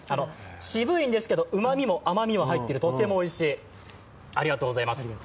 渋いんですけど、うまみも甘みも入っている、とてもおいしい、ありがとうございます。